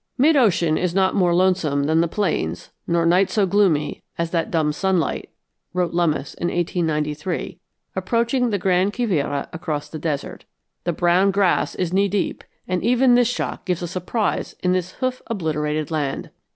"Mid ocean is not more lonesome than the plains, nor night so gloomy as that dumb sunlight," wrote Lummis in 1893, approaching the Gran Quivira across the desert. "The brown grass is knee deep, and even this shock gives a surprise in this hoof obliterated land.